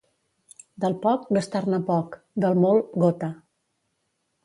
Del poc, gastar-ne poc; del molt, gota.